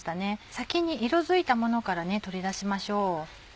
先に色づいたものから取り出しましょう。